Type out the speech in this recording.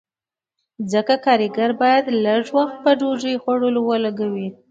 ځکه کارګر باید لږ وخت په ډوډۍ خوړلو ولګوي